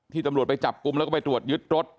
ตำรวจไปจับกลุ่มแล้วก็ไปตรวจยึดรถ